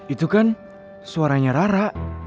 itu kan suaranya rara